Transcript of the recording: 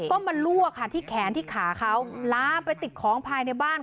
ก็มาลวกค่ะที่แขนที่ขาเขาลามไปติดของภายในบ้าน